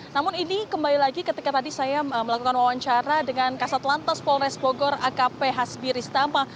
namun ini kembali lagi ketika tadi saya melakukan wawancara dengan kasat lantas polres bogor akp hasbi ristama